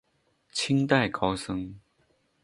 清代高僧。